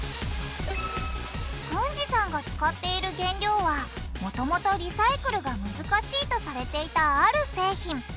軍司さんが使っている原料はもともとリサイクルが難しいとされていたある製品。